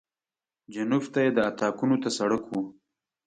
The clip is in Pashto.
جنوب ته یې د اطاقونو ته سړک و.